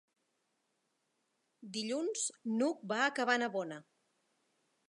Dilluns n'Hug va a Cabanabona.